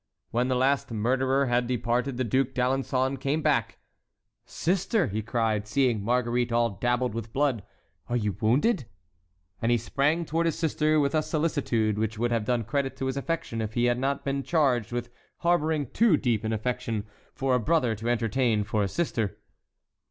When the last murderer had departed the Duc d'Alençon came back: "Sister," he cried, seeing Marguerite all dabbled with blood, "are you wounded?" And he sprang toward his sister with a solicitude which would have done credit to his affection if he had not been charged with harboring too deep an affection for a brother to entertain for a sister.